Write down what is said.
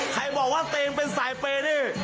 ใครบอกว่าเตงเป็นสายเปย์นี่